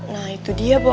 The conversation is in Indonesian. nah itu dia boy